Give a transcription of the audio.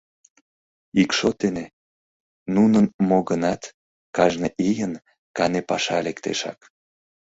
Ик шот дене, нунын мо гынат, кажне ийын кане паша лектешак.